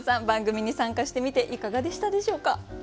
番組に参加してみていかがでしたでしょうか？